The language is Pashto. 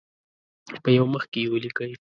په یو مخ کې یې ولیکئ.